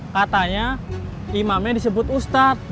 katanya imamnya disebut ustadz